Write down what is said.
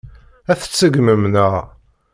Ad t-tṣeggmem, naɣ?